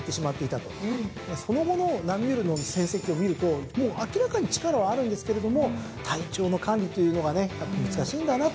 その後のナミュールの戦績を見るともう明らかに力はあるんですけれども体調の管理というのがねやっぱ難しいんだなと。